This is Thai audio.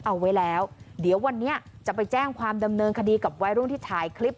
เอาไว้แล้วเดี๋ยววันนี้จะไปแจ้งความดำเนินคดีกับวัยรุ่นที่ถ่ายคลิป